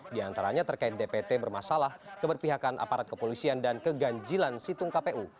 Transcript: di antaranya terkait dpt bermasalah keberpihakan aparat kepolisian dan keganjilan situng kpu